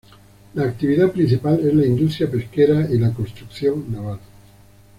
La actividad principal es la industria pesquera y la construcción naval.